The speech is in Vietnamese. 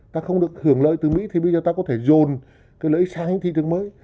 ta không được hưởng lợi từ mỹ thì bây giờ ta có thể dồn cái lợi ích sang những thị trường mới